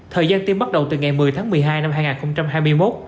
thời gian tiêm bắt đầu từ ngày một mươi tháng một mươi hai năm hai nghìn hai mươi một